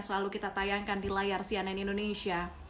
selalu kita tayangkan di layar cnn indonesia